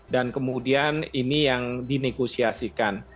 dan kemudian ini yang dinegosiasikan